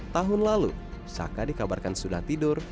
tahun lalu saka dikabarkan sudah tidur